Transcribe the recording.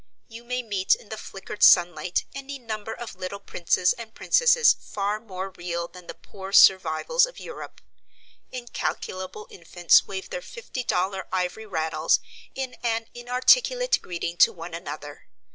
You may meet in the flickered sunlight any number of little princes and princesses far more real than the poor survivals of Europe. Incalculable infants wave their fifty dollar ivory rattles in an inarticulate greeting to one another.